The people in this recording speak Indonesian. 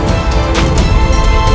aku ingin menangkapmu